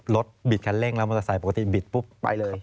บิดคันเร่งแล้วมอเตอร์ไซค์ปกติบิดปุ๊บไปเลย